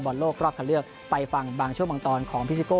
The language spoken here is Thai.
โลกรอบคันเลือกไปฟังบางช่วงบางตอนของพี่ซิโก้